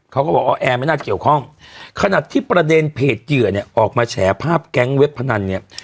เขาก็บอกออแอร์ไม่น่าเกี่ยวข้องขนาดที่ประเด็นเพจเหยื่อเนี่ยออกมาแฉภาพแก๊งเว็บพนันเนี่ย